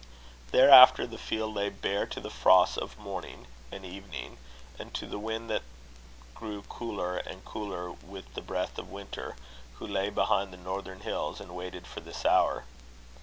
Thereafter, the fields lay bare to the frosts of morning and evening, and to the wind that grew cooler and cooler with the breath of Winter, who lay behind the northern hills, and waited for his hour.